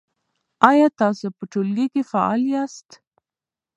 آیا تاسو په ټولګي کې فعال یاست؟